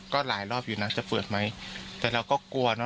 ก็หลายรอบอยู่นะจะเปิดไหมแต่เราก็กลัวเนอ